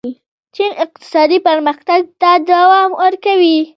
چین اقتصادي پرمختګ ته دوام ورکوي.